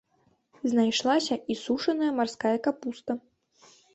Знайшлася і сушаная марская капуста.